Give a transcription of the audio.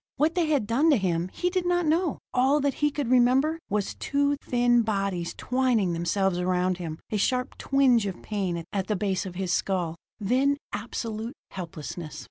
What they had done to him, he did not know; all that he could remember was two thin bodies twining themselves around him a sharp twinge of pain at the base of his skull; then absolute helplessness.